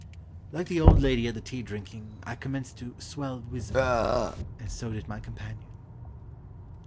Like the old lady at the tea drinking, I commenced to "swell wisibly"; and so did my companion.